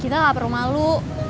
kita gak perlu malu